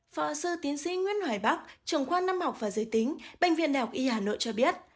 phó sư tiến sĩ nguyễn hoài bắc trưởng khoa năm học và giới tính bệnh viện đại học y hà nội cho biết